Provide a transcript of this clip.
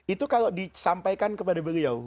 itu kalau disampaikan kepada beliau